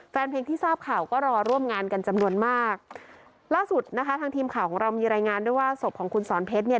แฟนเพลงที่ทราบข่าวก็รอร่วมงานกันจำนวนมากล่าสุดนะคะทางทีมข่าวของเรามีรายงานด้วยว่าศพของคุณสอนเพชรเนี่ย